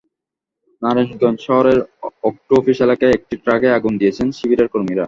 নারায়ণগঞ্জ শহরের অক্টো অফিস এলাকায় একটি ট্রাকে আগুন দিয়েছেন শিবিরের কর্মীরা।